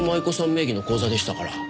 名義の口座でしたから。